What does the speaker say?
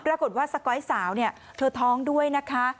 ปรากฏว่าสก๊อยสาวเนี่ยเธอท้องด้วยนะคะ